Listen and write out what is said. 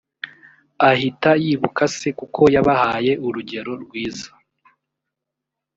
ahita yibuka se kuko yabahaye urugero rwiza